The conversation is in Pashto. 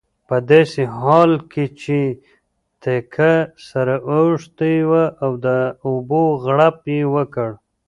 په داسې حال کې چې تکه سره اوښتې وه د اوبو غړپ یې وکړ.